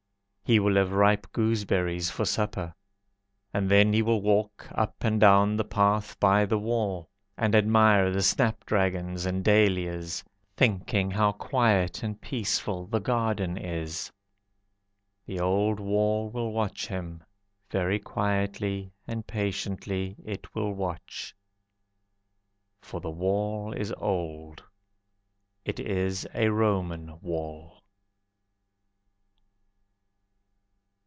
He will have ripe gooseberries for supper, And then he will walk up and down the path By the wall, And admire the snapdragons and dahlias, Thinking how quiet and peaceful The garden is. The old wall will watch him, Very quietly and patiently it will watch. For the wall is old, It is a Roman wall.